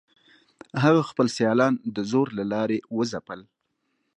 هغه خپل سیالان د زور له لارې وځپل.